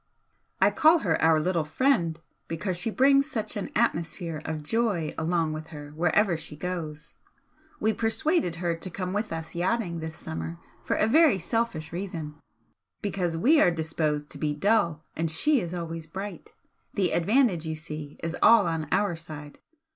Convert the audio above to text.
"I call her our little friend, because she brings such an atmosphere of joy along with her wherever she goes. We persuaded her to come with us yachting this summer for a very selfish reason because we are disposed to be dull and she is always bright, the advantage, you see, is all on our side!